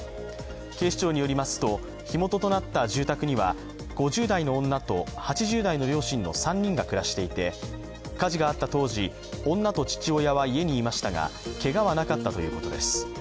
警視庁によりますと、火元となった住宅には５０代の女と８０代の両親の３人が暮らしていて火事があった当時女と父親は家にいましたが、けがはなかったということです。